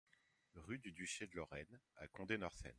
Rue du Duché de Lorraine à Condé-Northen